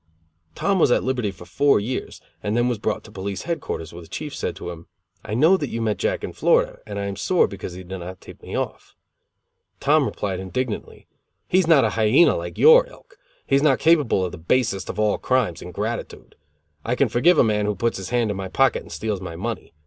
Tom was at liberty for four years, and then was brought to police headquarters where the chief said to him: "I know that you met Jack in Florida, and I am sore because he did not tip me off." Tom replied indignantly: "He is not a hyena like your ilk. He is not capable of the basest of all crimes, ingratitude. I can forgive a man who puts his hand in my pocket and steals my money.